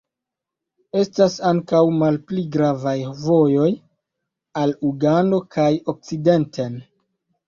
Estas ankaŭ malpli gravaj vojoj al Ugando kaj okcidenten.